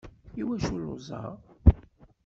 Iwacu lluẓeɣ?